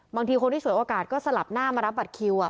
บางทีคนที่ฉวยโอกาสก็สลับหน้ามารับบัตรคิว